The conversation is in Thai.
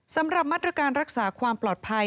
สำหรับมาตรการรักษาความปลอดภัย